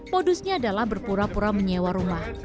modusnya adalah berpura pura menyewa rumah